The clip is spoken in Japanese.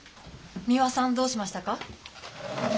三輪さんどうしましたか？